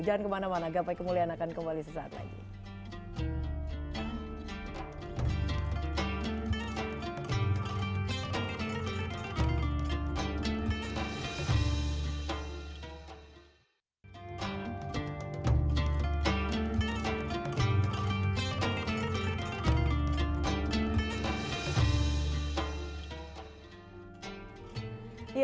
jangan kemana mana gapai kemuliaan akan kembali sesaat lagi